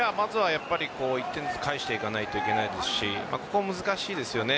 やっぱり１点ずつ返していかないといけないしここは難しいですよね。